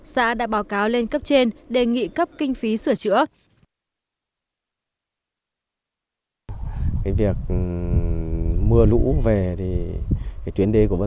xã đã báo cáo lên cấp trên đề nghị cấp kinh phí sửa chữa